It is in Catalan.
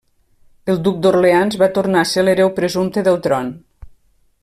El duc d'Orleans va tornar a ser l'hereu presumpte del tron.